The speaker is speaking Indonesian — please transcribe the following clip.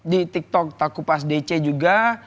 di tiktok taku pas dc juga